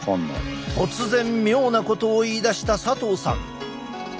突然妙なことを言いだした佐藤さん。